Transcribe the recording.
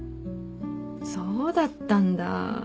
そうだったんだ。